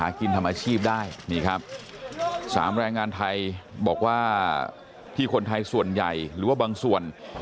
กินทำอาชีพได้นี่ครับสามแรงงานไทยบอกว่าที่คนไทยส่วนใหญ่หรือว่าบางส่วน